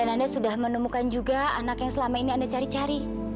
anda sudah menemukan juga anak yang selama ini anda cari cari